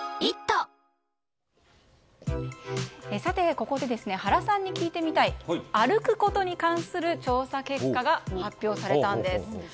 ここで原さんに聞いてみたい歩くことに関する調査結果が発表されたんです。